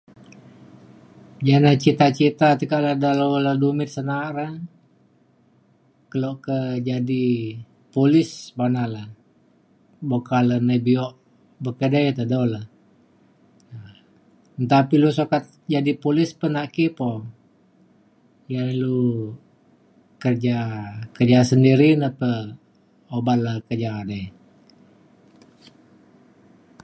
ja la tekak cita cita le dalau du dumit ce na’a re kelo ko jadi polis bana le buk ka le nai bio bek edei te dau le um nta pa ilu sukat jadi polis penaki poh. ia’ ilu kerja kerja sendiri na pe oban le kerja di